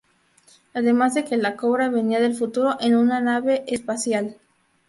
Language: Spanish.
Además de que la Cobra venía del futuro en una nave espacial.